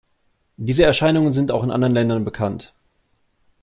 Diese Erscheinungen sind auch in anderen Ländern bekannt.